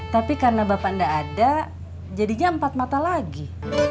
tapi karena bapak tidak ada jadinya empat mata lagi